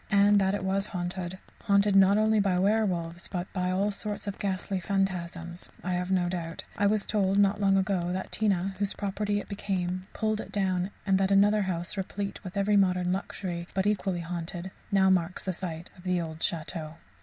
And that it was haunted haunted not only by werwolves but by all sorts of ghastly phantasms I have no doubt. I was told, not long ago, that Tina, whose property it became, pulled it down, and that another house, replete with every modern luxury but equally haunted[91:2] now marks the site of the old château.